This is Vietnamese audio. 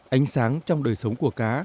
ánh sáng trong đời sống của cá